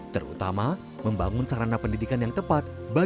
terutama membangun sarana pendidikan yang tepat untuk kawasan hutan adat